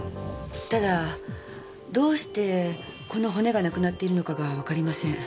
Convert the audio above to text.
ただどうしてこの骨がなくなっているのかがわかりません。